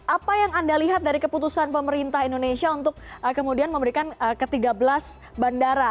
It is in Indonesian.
apa yang anda lihat dari keputusan pemerintah indonesia untuk kemudian memberikan ke tiga belas bandara